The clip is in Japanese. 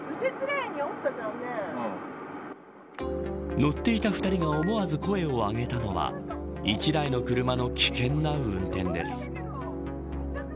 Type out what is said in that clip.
乗っていた２人が思わず声を上げたのは１台の車の危険な運転です。